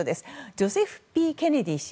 ジョセフ・Ｐ・ケネディ氏。